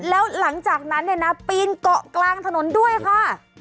แล้วหลังจากนั้นเนี่ยนะปีนเกาะกลางถนนด้วยค่ะ